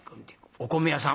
お米屋さん。